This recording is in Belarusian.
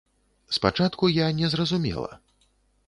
Спачатку я не зразумела.